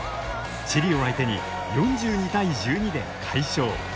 チリを相手に４２対１２で快勝。